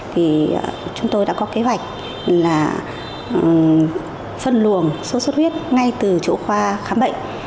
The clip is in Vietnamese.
thì chúng tôi đã có kế hoạch là phân luồng sốt xuất huyết ngay từ chỗ khoa khám bệnh